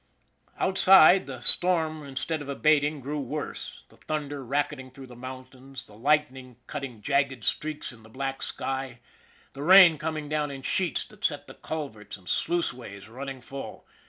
Outside, the storm instead of abating grew worse the thunder racketing through the mountains, the lightning cutting jagged streaks in the black sky, the rain coming down in sheets that set the culverts and sluiceways running full.